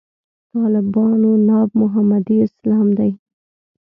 طالبانو ناب محمدي اسلام دی.